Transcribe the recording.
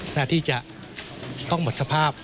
หน้าที่จะต้องหมดสภาพ